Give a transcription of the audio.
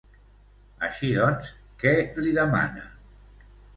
Així doncs, què li demana?